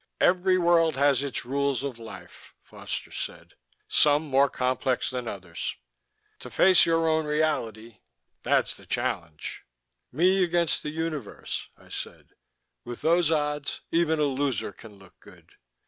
"Every world has its rules of life," Foster said. "Some more complex than others. To face your own reality that's the challenge." "Me against the universe," I said. "With those odds, even a loser can look good."